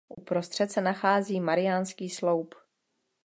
Uprostřed se nachází mariánský sloup.